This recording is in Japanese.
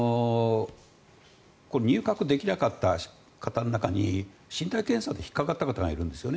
入閣できなかった方の中に身体検査で引っかかった方がいるんです。